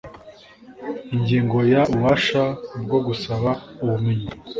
Ingingo ya ububasha bwo gusaba ubumenyi